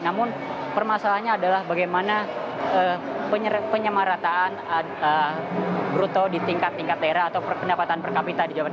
namun permasalahannya adalah bagaimana penyemarataan bruto di tingkat tingkat daerah atau pendapatan per kapita di jawa barat